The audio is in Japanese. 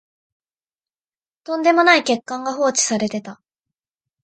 とんでもない欠陥が放置されてた